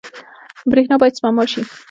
برښنا باید سپما شي